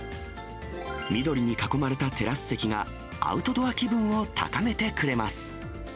緑に囲まれたテラス席が、アウトドア気分を高めてくれます。